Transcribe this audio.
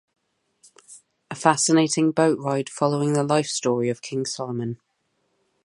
A fascinating boat ride following the life story of King Solomon.